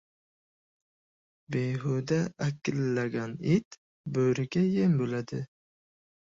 • Behuda akillagan it bo‘riga yem bo‘ladi.